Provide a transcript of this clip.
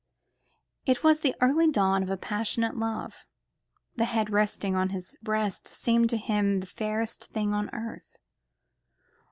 It was the early dawn of a passionate love. The head lying on his breast seemed to him the fairest thing on earth.